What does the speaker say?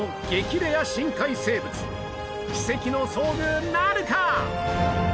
レア深海生物奇跡の遭遇なるか！